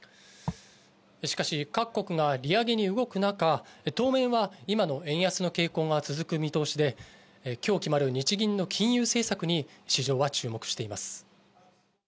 しかし各国が利上げに動くなか、当面は今の円安の傾向が続く見通しで、今日決まる日銀の金融政策に市場は注目しています。